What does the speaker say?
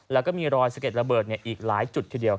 แล้วก็มีรอยสะเก็ดระเบิดอีกหลายจุดทีเดียว